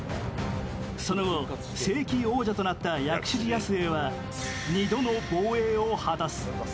その後、正規王者となった薬師寺保栄は２度の防衛を果たす。